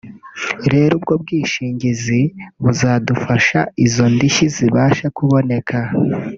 rero ubwo bwishingizi buzadufasha izo ndishyi zibashe kuboneka”